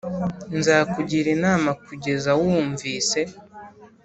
nzakugira inama kugeza wumvise